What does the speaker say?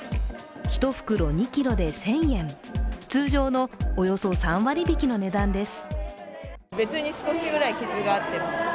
１袋２ｋｇで１０００円、通常のおよそ３割引きの値段です。